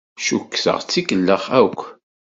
Cukkteɣ d tikellax akk.